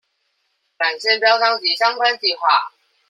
纜線標章及相關計畫